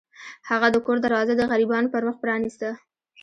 هغه د کور دروازه د غریبانو پر مخ پرانیسته.